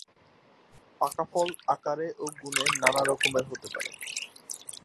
পাকা ফল আকারে ও গুণে নানা রকমের হতে পারে।